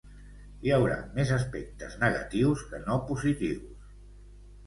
Hi haurà més aspectes negatius que no positius.